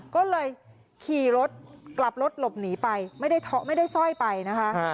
ก็เลยขี่รถกลับรถหลบหนีไปไม่ได้สร้อยไปนะคะ